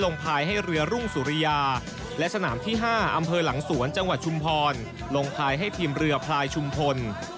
ลงทายให้ทีมเรือพลายชุมพล